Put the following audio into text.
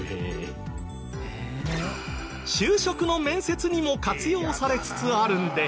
就職の面接にも活用されつつあるんです。